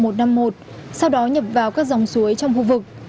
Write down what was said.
sau đó nhập vào các dòng suối trong khu vực